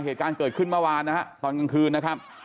เหตุการณ์เกิดขึ้นเมื่อวานนะฮะตอนกลางคืนนะครับ